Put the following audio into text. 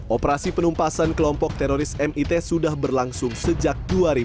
operasi penumpasan kelompok teroris mit sudah berlangsung sejak dua ribu dua